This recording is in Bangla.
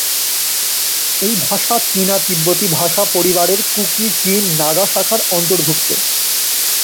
এই ভাষা চীনা-তিব্বতি ভাষা পরিবারের কুকি-চিন-নাগা শাখার অন্তর্ভুক্ত।